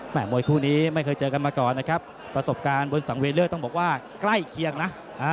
มวยคู่นี้ไม่เคยเจอกันมาก่อนนะครับประสบการณ์บนสังเวเลอร์ต้องบอกว่าใกล้เคียงนะ